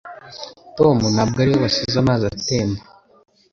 Tom ntabwo ari we wasize amazi atemba